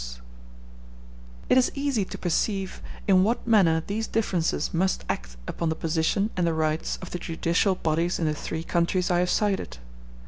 ]] It is easy to perceive in what manner these differences must act upon the position and the rights of the judicial bodies in the three countries I have cited.